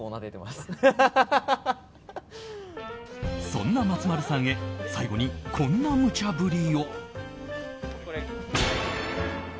そんな松丸さんへ最後にこんなむちゃ振りを。